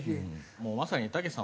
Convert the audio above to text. もうまさにたけしさん